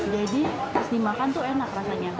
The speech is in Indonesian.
jadi pas dimakan tuh enak rasanya